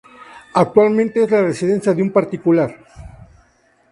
Actualmente es la residencia de un particular.